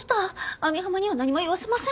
網浜には何も言わせません。